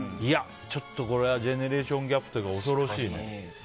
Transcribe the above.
ちょっとこれはジェネレーションギャップが恐ろしいね。